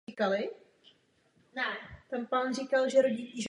Byl majitelem překladatelské agentury.